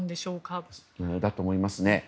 そうだと思いますね。